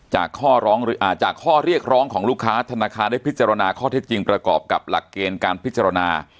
จากข้อเรียกร้องของลูกค้าธนาคารได้พิจารณาข้อเท็จจริงประกอบกับหลักเกณฑ์การพิจารณา